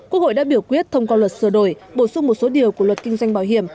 quốc hội đã biểu quyết thông qua luật sửa đổi bổ sung một số điều của luật kinh doanh bảo hiểm